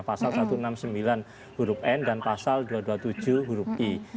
pasal satu ratus enam puluh sembilan huruf n dan pasal dua ratus dua puluh tujuh huruf i